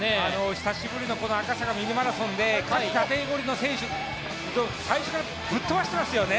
久しぶりのこの「赤坂ミニマラソン」で、各カテゴリーの選手、最初からぶっ飛ばしてますよね。